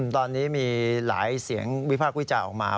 ตอนนี้มีหลายเสียงวิพากษ์วิจารณ์ออกมา